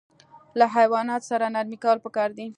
له حیواناتو سره نرمي کول پکار دي.